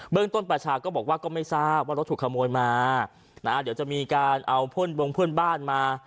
เรื่องต้นประชาก็บอกว่าก็ไม่ทราบว่ารถถูกขโมยมานะเดี๋ยวจะมีการเอาเพื่อนบงเพื่อนบ้านมา